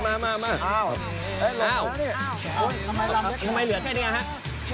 ทำไมเหลือแค่เนื้อครับ